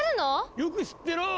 よく知ってらあ。